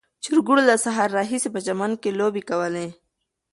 چرګوړو له سهار راهیسې په چمن کې لوبې کولې.